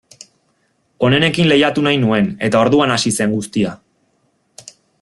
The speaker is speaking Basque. Onenekin lehiatu nahi nuen, eta orduan hasi zen guztia.